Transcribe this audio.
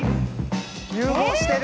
融合してる。